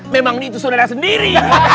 memang itu saudara sendiri